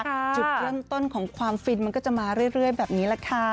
จุดเริ่มต้นของความฟินมันก็จะมาเรื่อยแบบนี้แหละค่ะ